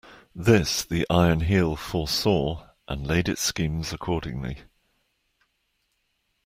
This the Iron Heel foresaw and laid its schemes accordingly.